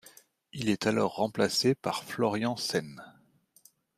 Il est alors remplacé par Florian Senn.